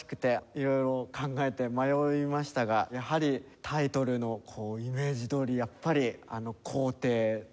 色々考えて迷いましたがやはりタイトルのイメージどおりやっぱり「皇帝」というタイトル。